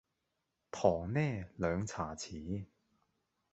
糖呢兩茶匙